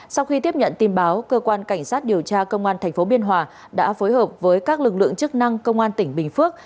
sau khi tiếp nhận tin báo cơ quan cảnh sát điều tra công an tp biên hòa đã phối hợp với các lực lượng chức năng công an tỉnh bình phước